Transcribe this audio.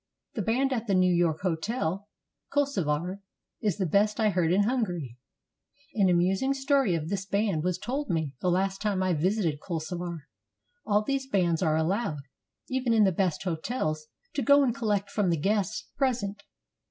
The band at the New York Hotel, Kolozsvar, is the best I heard in Hungary, An amusing story of this band was told me the last time I visited Kolozsvar. All these bands are allowed, even in the best hotels, to go and collect from the guests pres ent.